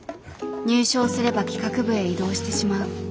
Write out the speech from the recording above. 入賞すれば企画部へ異動してしまう。